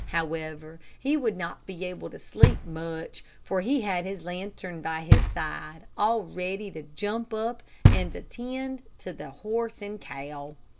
However, he would not be able to sleep much, for he had his lantern by his side, all ready to jump up and attend to the horse and cow.